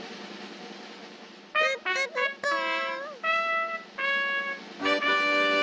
プップププー。